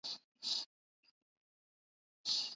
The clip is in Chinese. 另外百济也曾设立左贤王。